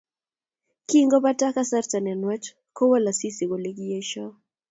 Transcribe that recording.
Kingopata Kasarta ne nwach kowol Asisi kole kiesio